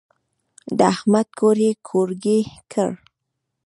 د احمد کور يې کورګی کړ.